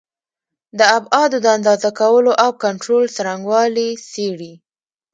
د ابعادو د اندازه کولو او کنټرول څرنګوالي څېړي.